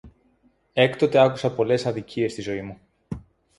Έκτοτε άκουσα πολλές αδικίες στη ζωή μου